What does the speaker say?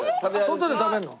外で食べるの？